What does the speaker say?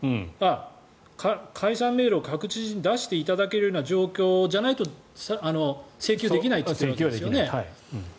解散命令を確実に出していただけるような状況じゃないと請求できないと言っているんですよね。